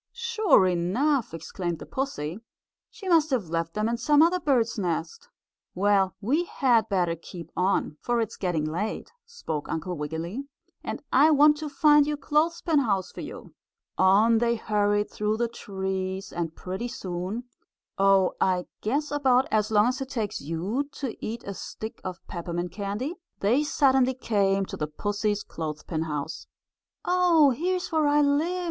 "Sure enough!" exclaimed the pussy. "She must have left them in some other bird's nest." "Well, we had better keep on, for it is getting late," spoke Uncle Wiggily, "and I want to find your clothespin house for you." On they hurried through the trees, and pretty soon Oh, I guess about as long as it takes you to eat a stick of peppermint candy they suddenly came to the pussy's clothespin house. "Oh, here's where I live!"